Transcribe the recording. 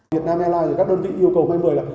việt nam e line và các đơn vị yêu cầu may một mươi là